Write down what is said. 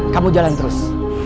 kamu jalan terus